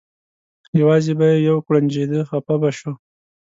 یوازې به یې یو کوړنجېده خپه به شو.